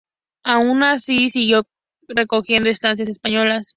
Aun así, siguió recorriendo estancias españolas.